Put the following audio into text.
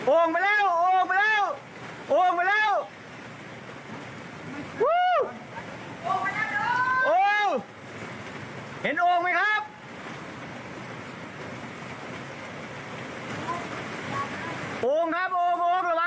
โอ่งครับโอ่งโอ่งระวังด้วยนะครับ